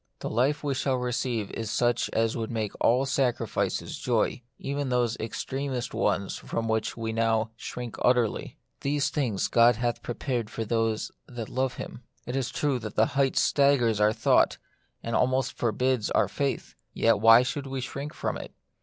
The life we shall receive is such as would make all sacrifices joy, even those extremest ones from which now we shrink most utterly. These things God hath prepared for them that love Him. It is true the height staggers our thought, and almost forbids our faith. Yet why should we shrink from it